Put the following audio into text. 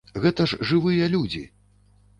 Гэта ж жывыя людзі!